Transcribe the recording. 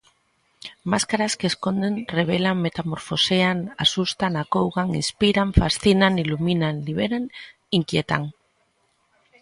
Máscaras que esconden, revelan, metamorfosean, asustan, acougan, inspiran, fascinan, iluminan, liberan, inquietan.